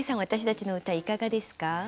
私たちの歌いかがですか？